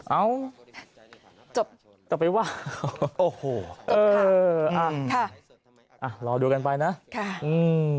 เอาจบจะไปว่าโอ้โหเอออ่ะค่ะอ่ะรอดูกันไปนะค่ะอืม